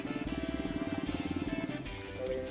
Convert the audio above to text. ikan koi dengan kualitas bagus dibantu dengan air